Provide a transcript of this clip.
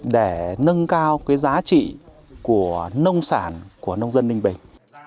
để nâng cao giá trị của nông sản của nông dân ninh bình